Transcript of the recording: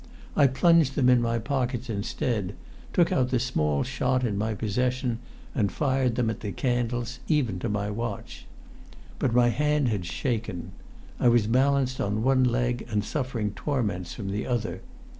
I plunged them into my pockets instead, took out the small shot of my possessions, and fired them at the candles, even to my watch. But my hand had shaken. I was balanced on one leg and suffering torments from the other.